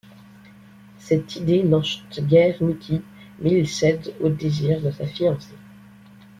Cette idée n’enchante guère Nicky, mais il cède au désir de sa fiancée.